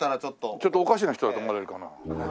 ちょっとおかしな人だと思われるかな？